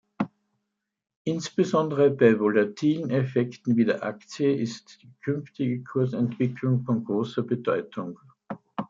Insbesondere bei volatilen Effekten wie der Aktie ist die künftige Kursentwicklung von großer Bedeutung.